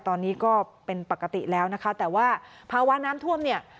ตอนนี้ก็เป็นปกติแล้วนะคะแต่ว่าภาวะน้ำท่วมเนี่ย